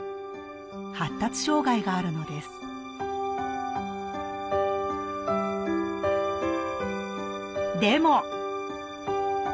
発達障害があるのですでも！